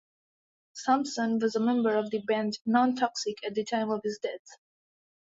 Thompson was a member of the band Non-Toxic at the time of his death.